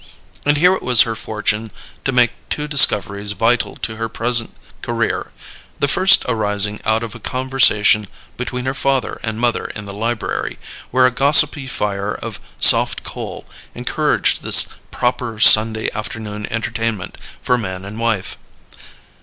And here it was her fortune to make two discoveries vital to her present career; the first arising out of a conversation between her father and mother in the library, where a gossipy fire of soft coal encouraged this proper Sunday afternoon entertainment for man and wife.